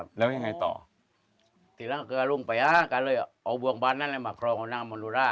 บ๊วยบ๊วยบ๊วยบ๊วยบ๊วยบ๊วยบ๊วยที่นั่งก็คือล่วงไปฮะก็เลยเอาบวงบาทนั้นมาครองของนางมณุรา